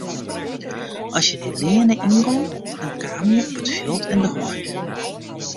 As je dy leane yngongen dan kamen je op it fjild en de heide.